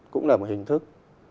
cũng là một hình thức